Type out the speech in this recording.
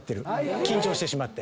緊張してしまって。